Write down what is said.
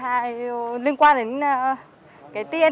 f hai liên quan đến